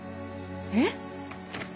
えっ？